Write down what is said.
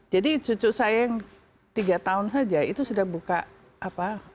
jadi cucu saya yang tiga tahun saja itu sudah buka ipad